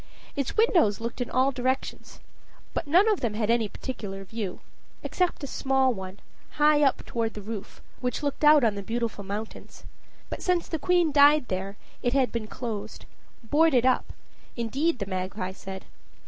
Its windows looked in all directions, but none of them had any particular view except a small one, high up toward the roof, which looked out on the Beautiful Mountains. But since the queen died there it had been closed, boarded up, indeed, the magpie said.